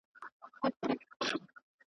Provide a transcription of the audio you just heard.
لا څو زیاتي چي ښې ساندي یې ویلي .